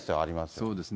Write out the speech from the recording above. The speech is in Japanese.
そうですね。